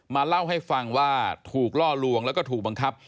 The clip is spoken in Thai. มาเล่าให้ฟังว่าถูกล่อลวงแล้วก็ถูกบังคับ